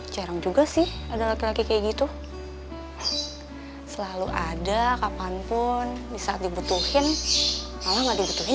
jarang juga sih ada laki laki kayak gitu selalu ada kapanpun di saat dibutuhin malah nggak dibutuhin